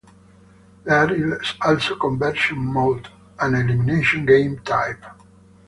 There is also conversion mode, an elimination game type.